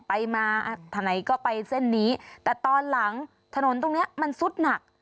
ไปมาทางไหนก็ไปเส้นนี้แต่ตอนหลังถนนตรงเนี้ยมันซุดหนัก